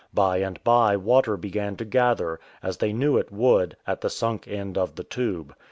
By and by water began to gather, as they knew it would, at the sunk end of the tube.